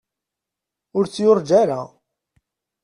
Ur tt-yurǧa ara.